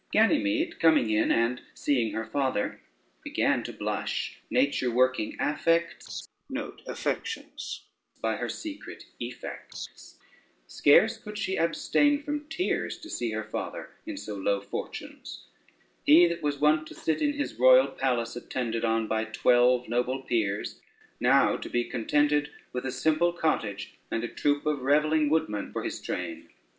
Ganymede coming in, and seeing her father, began to blush, nature working affects by her secret effects: scarce could she abstain from tears to see her father in so low fortunes, he that was wont to sit in his royal palace, attended on by twelve noble peers, now to be contented with a simple cottage, and a troop of revelling woodmen for his train.